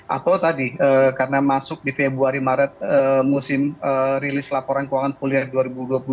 atau tadi karena masuk di februari maret musim rilis laporan keuangan full year dua ribu dua puluh dua